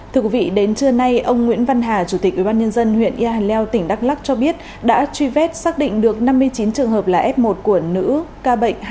thưa quý vị đến trưa nay ông nguyễn văn hà chủ tịch ubnd huyện yà hàn leo tỉnh đắk lắc cho biết đã truy vét xác định được năm mươi chín trường hợp là f một của nữ ca bệnh hai mươi năm